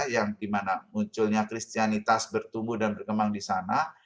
yang dimana munculnya kristianitas bertumbuh dan berkembang di sana